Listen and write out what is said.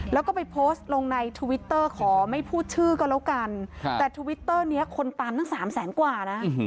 แล้วก็ไปโพสต์ลงในทวิตเตอร์ขอไม่พูดชื่อก็แล้วกันแต่ทวิตเตอร์นี้คนตามตั้งสามแสนกว่านะ